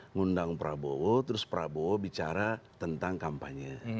ngundang prabowo terus prabowo bicara tentang kampanye